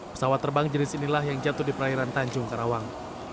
pesawat terbang jenis inilah yang jatuh di perairan tanjung karawang